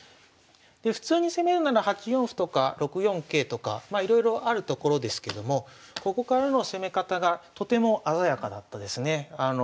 普通に攻めるなら８四歩とか６四桂とかいろいろあるところですけどもここからの攻め方がとても鮮やかだったですね。